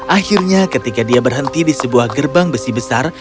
akhirnya ketika dia berhenti di sebuah gerbang besi besar